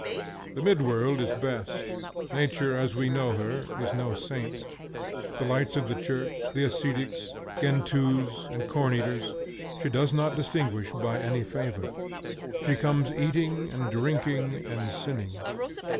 The mid world is best. Nature, as we know her, is no saint. The lights of the church, the ascetics, Gentoos, and corn eaters, she does not distinguish by any favor. She comes eating and drinking and sinning.